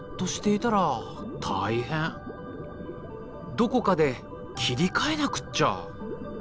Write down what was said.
どこかで切り替えなくっちゃ。